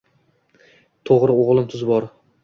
Toʻgʻri oʻgʻlim tuz bor